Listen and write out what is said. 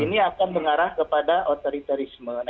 ini akan mengarah kepada otoritarisme